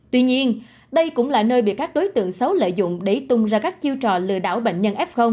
tuy nhiên đây cũng là nơi bị các đối tượng xấu lợi dụng để tung ra các chiêu trò lừa đảo bệnh nhân f